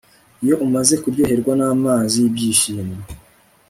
iyo umaze kuryoherwa n'amazi y'ibyishimo